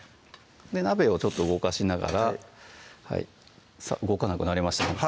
鍋をちょっと動かしながらさぁ動かなくなりましたは